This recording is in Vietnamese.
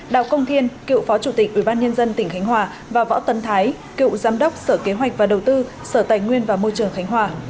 đào công thiên cựu phó chủ tịch ubnd tỉnh khánh hòa và võ tân thái cựu giám đốc sở kế hoạch và đầu tư sở tài nguyên và môi trường khánh hòa